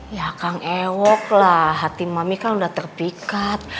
ya kang ewok lah hati mami kan udah terpikat